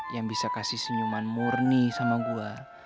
yang bisa kasih senyuman murni sama gue